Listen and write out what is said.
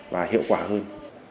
và hiệu quả hơn